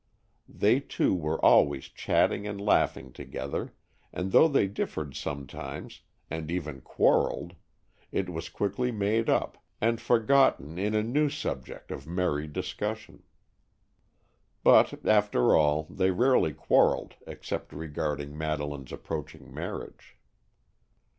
They two were always chatting and laughing together, and though they differed sometimes, and even quarrelled, it was quickly made up, and forgotten in a new subject of merry discussion. But, after all, they rarely quarrelled except regarding Madeleine's approaching marriage.